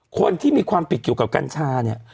คนที่มีความผิดเกี่ยวกับกัญชาเนี่ย